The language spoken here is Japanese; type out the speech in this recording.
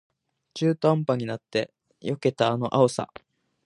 中途半端になって避けたあの青さ